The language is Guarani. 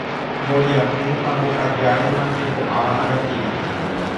Mboriahu ha mbokajáre mante ho'áva aratiri